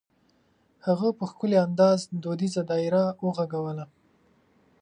هغه په ښکلي انداز دودیزه دایره وغږوله.